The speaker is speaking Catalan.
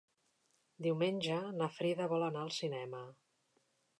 Diumenge na Frida vol anar al cinema.